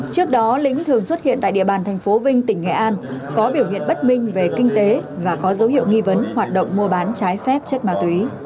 trước đó lĩnh thường xuất hiện tại địa bàn thành phố vinh tỉnh nghệ an có biểu hiện bất minh về kinh tế và có dấu hiệu nghi vấn hoạt động mua bán trái phép chất ma túy